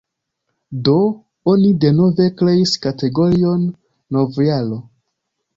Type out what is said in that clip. Do, oni denove kreis kategorion "novjaro".